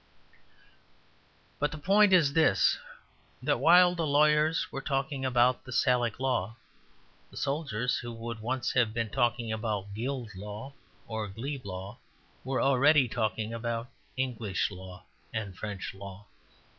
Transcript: But the point is this; that while the lawyers were talking about the Salic Law, the soldiers, who would once have been talking about guild law or glebe law, were already talking about English law and French law.